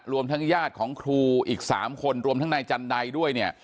รวมทั้งญาติของครูอีก๓คนรวมทั้งนายจันไดด้วยเนี่ย